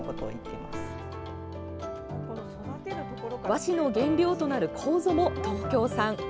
和紙の原料となるこうぞも東京産。